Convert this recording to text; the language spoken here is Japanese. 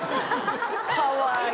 かわいい！